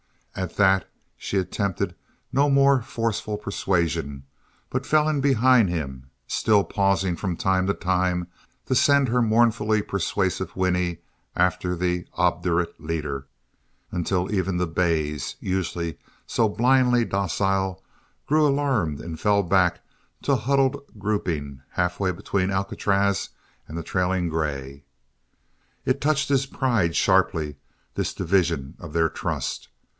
At that she attempted no more forceful persuasion but fell in behind him, still pausing from time to time to send her mournfully persuasive whinny after the obdurate leader until even the bays, usually so blindly docile, grew alarmed and fell back to a huddled grouping half way between Alcatraz and the trailing grey. It touched his pride sharply, this division of their trust.